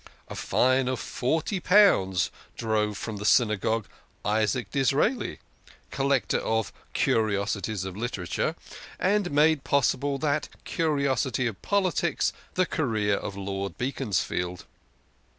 A fine of forty pounds drove from the Synagogue Isaac Disraeli, collector of Curiosities of Literature, and made possible that curiosity of politics, the career of Lord Beaconsfield.